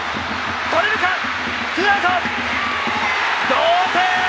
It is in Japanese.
同点！